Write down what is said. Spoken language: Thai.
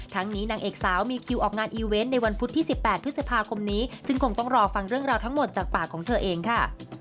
นี้นางเอกสาวมีคิวออกงานอีเวนต์ในวันพุธที่๑๘พฤษภาคมนี้ซึ่งคงต้องรอฟังเรื่องราวทั้งหมดจากปากของเธอเองค่ะ